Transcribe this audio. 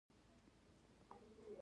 د زابل غزنیې د ساساني کلا ده